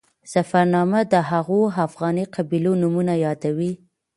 ظفرنامه د هغو افغاني قبیلو نومونه یادوي.